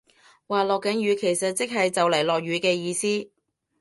話落緊雨其實即係就嚟落雨嘅意思